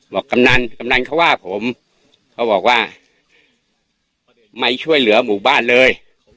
กำนันกำนันเขาว่าผมเขาบอกว่าไม่ช่วยเหลือหมู่บ้านเลย